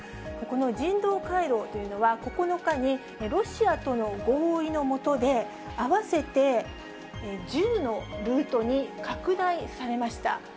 この人道回廊というのは、９日にロシアとの合意の下で、合わせて１０のルートに拡大されました。